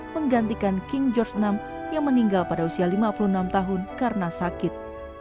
menggantikan king george vi yang meninggal pada usia lima puluh enam tahun karena sakit